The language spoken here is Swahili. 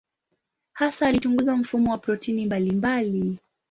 Hasa alichunguza mfumo wa protini mbalimbali.